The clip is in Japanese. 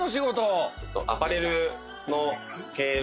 アパレルの経営？